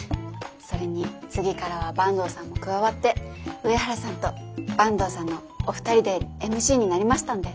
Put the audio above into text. それに次からは坂東さんが加わって上原さんと坂東さんのお二人でＭＣになりましたんで。